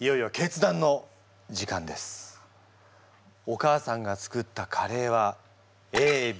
お母さんが作ったカレーはＡＢＣ